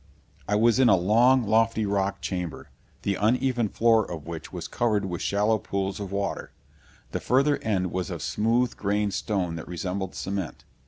I was in a long, lofty rock chamber, the uneven floor of which was covered with shallow pools of water. The further end was of smooth grained stone that resembled cement.